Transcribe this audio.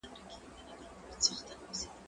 هغه څوک چي ليکلي پاڼي ترتيبوي منظم وي؟!